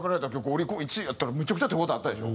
オリコン１位やったらめちゃくちゃ手応えあったでしょ。